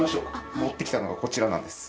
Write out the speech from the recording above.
持ってきたのがこちらなんです。